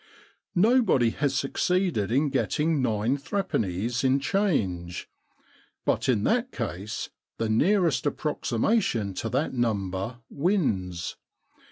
Nobody has succeeded in getting nine threepennies in change. But in that case the nearest approxi mation to that number wins.